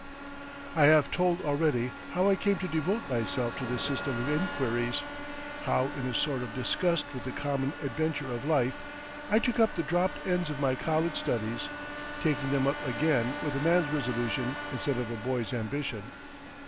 I have told already how I came to devote myself to this system of inquiries, how in a sort of disgust with the common adventure of life I took up the dropped ends of my college studies, taking them up again with a man's resolution instead of a boy's ambition.